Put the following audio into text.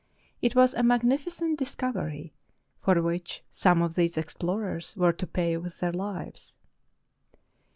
It was a mag nificent discovery, for which some of these explorers were to pay with their lives.